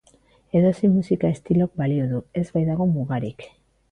Edozein musika estilok balio du, ez baitago mugarik.